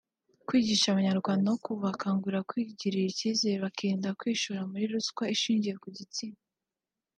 kwigisha Abanyarwanda no kubakangurira kwigirira icyizere bakirinda kwishora muri ruswa ishingiye ku gitsina